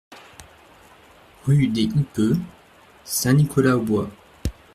Rue des Houppeux, Saint-Nicolas-aux-Bois